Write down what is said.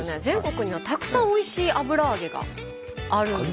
全国にはたくさんおいしい油揚げがある。